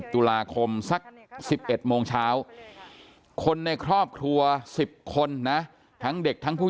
ตุลาคมสัก๑๑โมงเช้าคนในครอบครัว๑๐คนนะทั้งเด็กทั้งผู้